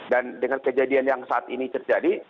dan dengan kejadian yang saat ini terjadi